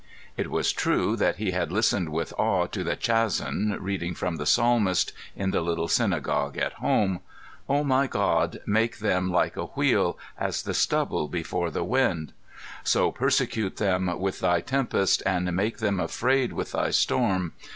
It was true that he had listened with awe to the Chazzan reading from the Psalmist, in the little synagogue at home: "O my God, make them like a wheel, as the stubble before the wind. So persecute them with thy tempest, and make them afraid with thy storm.